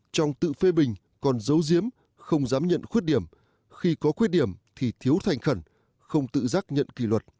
trong tự phê bình còn dấu diếm không dám nhận khuyết điểm khi có khuyết điểm thì thiếu thành khẩn không tự giác nhận kỳ luật